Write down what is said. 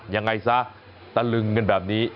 ยังไงซะตะลึงกันแบบนี้